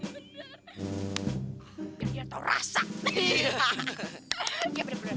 biar dia tau rasa